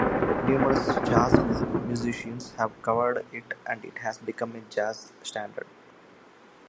Numerous jazz musicians have covered it and it has become a jazz standard.